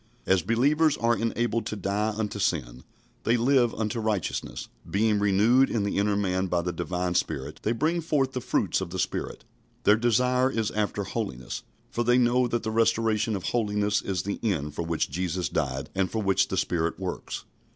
As believers are enabled to die unto sin, they live unto righteousness. Being renewed in the inner man by the Divine Spirit, they bring forth the fruits of the Spirit. Their desire is after holiness, for they know that the restoration of holiness is the end for which Jesus died and for which the Spirit works.